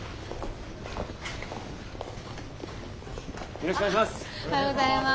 よろしくお願いします。